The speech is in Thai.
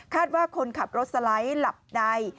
ว่าคนขับรถสไลด์หลับใน